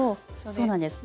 そうなんです。